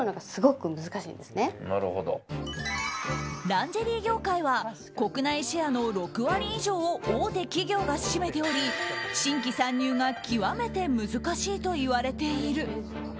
ランジェリー業界は国内シェアの６割以上を大手企業が占めており新規参入が極めて難しいといわれている。